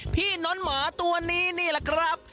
พี่น้องหมาตัวนี้นี่แหละครับ